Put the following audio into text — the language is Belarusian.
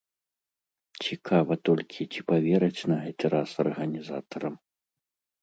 Цікава толькі, ці павераць на гэты раз арганізатарам.